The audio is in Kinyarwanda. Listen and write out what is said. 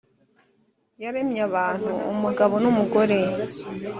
yaremye abantu umugabo n umugore